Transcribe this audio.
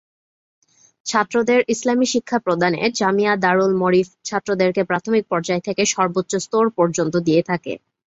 ছাত্রদের ইসলামী শিক্ষা প্রদানে জামিয়া দারুল ম’রিফ ছাত্রদেরকে প্রাথমিক পর্যায় থেকে সর্বোচ্চ স্তর পর্যন্ত দিয়ে থাকে।